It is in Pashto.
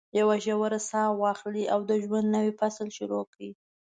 یوه ژوره ساه واخلئ او د ژوند نوی فصل شروع کړئ.